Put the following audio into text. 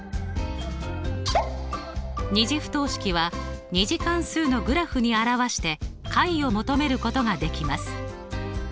２次不等式は２次関数のグラフに表して解を求めることができます。